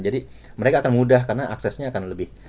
jadi mereka akan mudah karena aksesnya akan